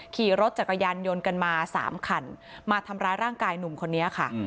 ขี่รถจักรยานยนต์กันมา๓คันมาทำร้ายร่างกายหนุ่มคนนี้ค่ะ